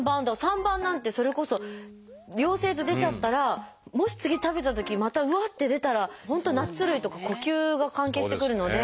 ３番なんてそれこそ陽性と出ちゃったらもし次食べたときまたうわって出たら本当ナッツ類とか呼吸が関係してくるので。